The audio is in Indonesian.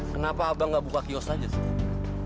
kenapa abang nggak buka kios aja sih